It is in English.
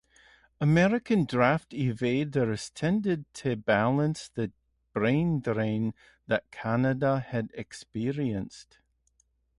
American draft evaders tended to balance the "brain drain" that Canada had experienced.